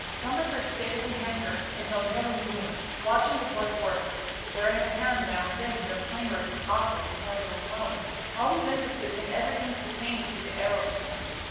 Cumberford stayed at the hangar until nearly noon, watching the boy work, bearing a hand now and then when a plane rib was awkward to handle alone, always interested in everything pertaining to the aëroplane.